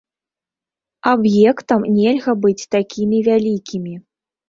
Аб'ектам нельга быць такімі вялікімі.